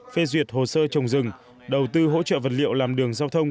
phê duyệt hồ sơ trồng rừng đầu tư hỗ trợ vật liệu làm đường giao thông